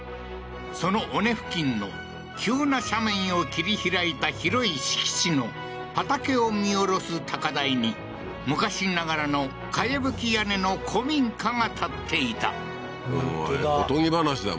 その尾根付近の急な斜面を切り開いた広い敷地の畑を見下ろす高台に昔ながらのかやぶき屋根の古民家が建っていた本当だ